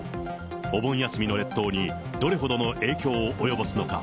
お盆休みの列島に、どれほどの影響を及ぼすのか。